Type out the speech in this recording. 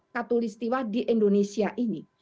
katolik setiwa di indonesia ini